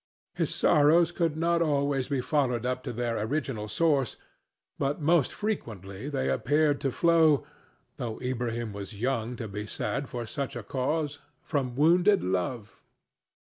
His sorrows could not always be followed up to their original source, but most frequently they appeared to flow—though Ilbrahim was young to be sad for such a cause—from wounded love.